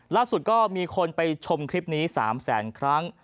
ล่าสุดก็มีคนไปชมคลิปนี้๓แสนครั้ง